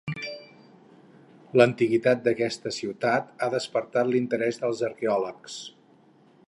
L'antiguitat d'aquesta ciutat ha despertat l'interès dels arqueòlegs.